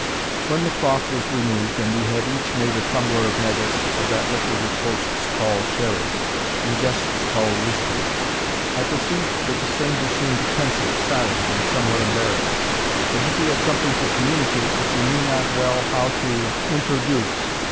When the cloth was removed, and we had each made a tumbler of negus, of that liquor which hosts call Sherry, and guests call Lisbon, I perceived that the stranger seemed pensive, silent, and somewhat embarrassed, as if he had something to communicate which he knew not well how to introduce.